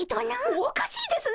おかしいですね。